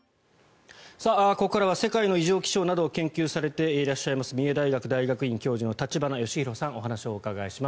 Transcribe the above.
ここからは世界の異常気象などを研究されていらっしゃいます三重大学大学院教授の立花義裕さんにお話をお伺いします。